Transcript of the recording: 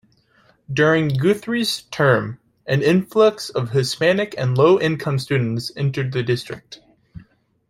During Guthrie's term, an influx of Hispanic and low income students entered the district.